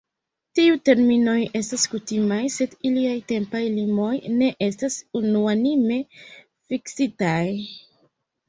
Tiuj terminoj estas kutimaj, sed iliaj tempaj limoj ne estas unuanime fiksitaj.